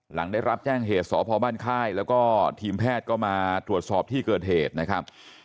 หลังได้รับแจ้งเหตุสพบ้านค่ายแล้วก็ทีมแพทย์ก็มาตรวจสอบที่เกิดเหตุนะครับ